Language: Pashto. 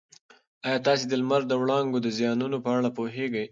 ایا تاسي د لمر د وړانګو د زیانونو په اړه پوهېږئ؟